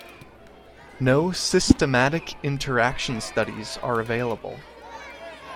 No systematic interaction studies are available.